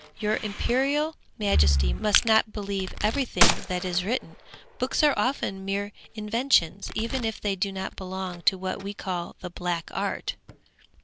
'Your imperial majesty must not believe everything that is written; books are often mere inventions, even if they do not belong to what we call the black art!'